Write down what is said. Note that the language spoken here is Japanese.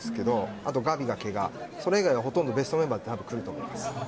あとガヴィがけがそれ以外は、ほとんどベストメンバーでくると思います。